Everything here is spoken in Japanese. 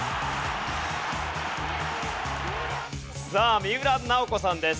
さあ三浦奈保子さんです。